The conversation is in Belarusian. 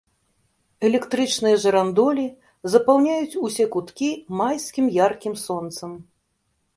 Электрычныя жырандолі запаўняюць усе куткі майскім яркім сонцам.